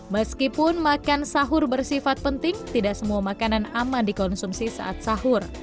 meskipun makan sahur bersifat penting tidak semua makanan aman dikonsumsi saat sahur